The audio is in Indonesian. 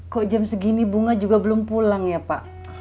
kok jam segini bunga juga belum pulang ya pak